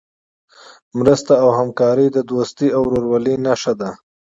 مرسته او همکاري د دوستۍ او ورورولۍ نښه ده.